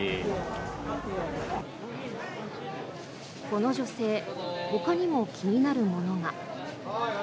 この女性ほかにも気になるものが。